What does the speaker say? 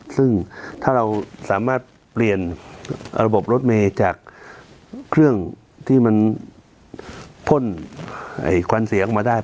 ซึ่งถ้าเราสามารถเปลี่ยนระบบรถเมย์จากเครื่องที่มันพ่นควันเสียงออกมาได้